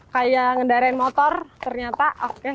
kayak ngendarain motor ternyata